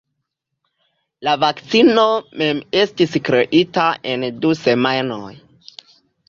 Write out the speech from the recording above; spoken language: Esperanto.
La vakcino mem estis kreita en du semajnoj.